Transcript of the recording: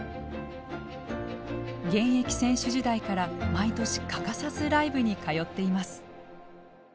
現役選手時代から毎年欠かさずライブに通っています。